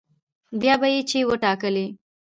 بيا به يې چې وټاکلې